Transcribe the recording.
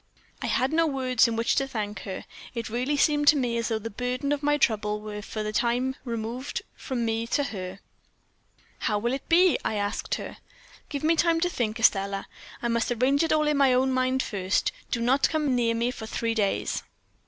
"I had no words in which to thank her; it really seemed to me as though the burden of my trouble were for the time removed from me to her. "'How will it be?' I asked her. "'Give me time to think, Estelle; I must arrange it all in my own mind first. Do not come near me for three days.'